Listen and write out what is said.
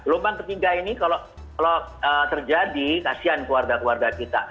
gelombang ketiga ini kalau terjadi kasihan keluarga keluarga kita